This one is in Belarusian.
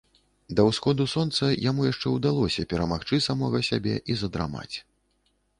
Да ўсходу сонца яму яшчэ ўдалося перамагчы самога сябе і задрамаць.